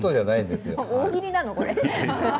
大喜利なの？